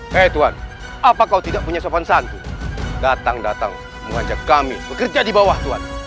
hei tuan apa kau tidak punya sopan santu datang datang mengajak kami bekerja di bawah tuan